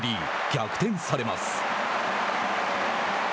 逆転されます。